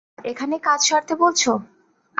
এখানেই কাজ সারতে বলছো?